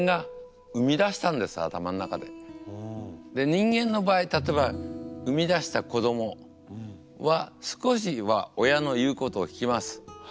人間の場合例えば生み出した子供は少しは親の言うことを聞きます。